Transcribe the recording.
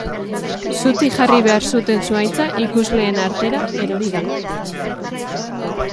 Zutik jarri behar zuten zuhaitza ikusleen artera erori da.